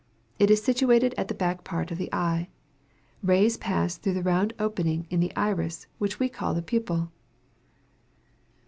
It is situated at the back part of the eye. Rays pass through the round opening in the iris, which we call the pupil.